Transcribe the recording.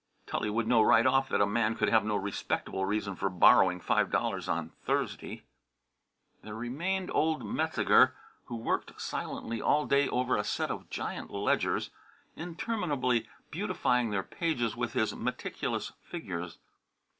Tully would know right off that a man could have no respectable reason for borrowing five dollars on Thursday. There remained old Metzeger who worked silently all day over a set of giant ledgers, interminably beautifying their pages with his meticulous figures.